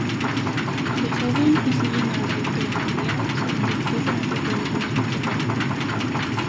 De joven, y siguiendo la trayectoria familiar, se identificó con el republicanismo federal.